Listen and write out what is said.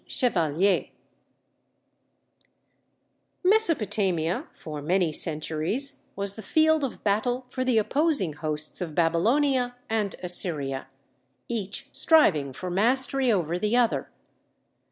CHEVALLIER Mesopotamia for many centuries was the field of battle for the opposing hosts of Babylonia and Assyria, each striving for mastery over the other.